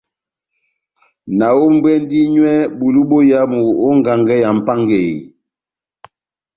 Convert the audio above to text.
Nahombwɛndi nywɛ bulu boyamu ó ngangɛ ya Mʼpángeyi.